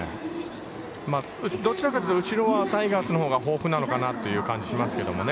どちらかというと後ろはタイガースのほうが豊富なのかなという感じがしますけどね。